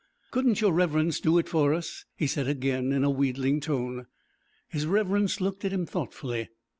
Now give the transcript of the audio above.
Couldn't your Reverence do it for us?' he said again in a wheedling tone. His Reverence looked at him thoughtfully.